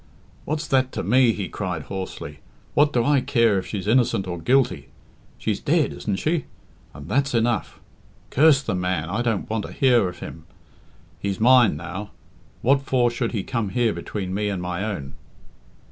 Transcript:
"What's that to me?" he cried hoarsely. "What do I care if she's innocent or guilty? She's dead, isn't she? and that's enough. Curse the man! I don't want to hear of him. She's mine now. What for should he come here between me and my own?"